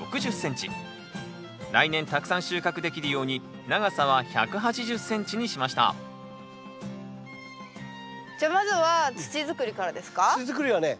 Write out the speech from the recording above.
来年たくさん収穫できるように長さは１８０ｃｍにしましたじゃあまずは土づくりからですか？